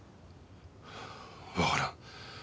わからん。